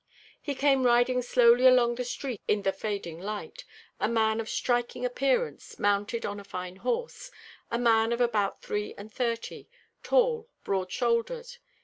He came riding slowly along the street in the fading light, a man of striking appearance, mounted on a fine horse, a man of about three and thirty, tall, broad shouldered.